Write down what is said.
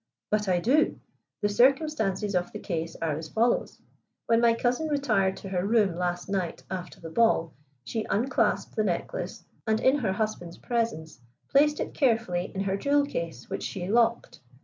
"But I do. The circumstances of the case are as follows: When my cousin retired to her room lost night after the ball, she unclasped the necklace, and, in her husband's presence, placed it carefully in her jewel case, which she locked.